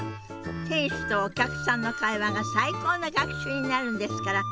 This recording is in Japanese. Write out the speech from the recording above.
店主とお客さんの会話が最高の学習になるんですから。